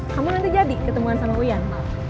kamu nanti jadi ketemuan sama wian